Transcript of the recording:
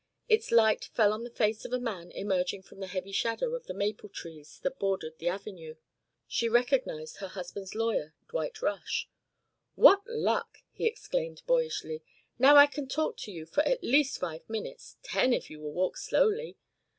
Its light fell on the face of a man emerging from the heavy shadow of the maple trees that bordered the avenue. She recognised her husband's lawyer, Dwight Rush. "What luck!" he exclaimed boyishly. "Now I shall talk to you for at least five minutes ten, if you will walk slowly!